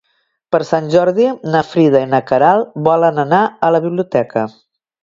Per Sant Jordi na Frida i na Queralt volen anar a la biblioteca.